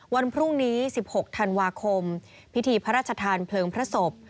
วันพรุ่งนี้๑๖ธันวาคมพิธีพระราชทานเพลิงพระศพ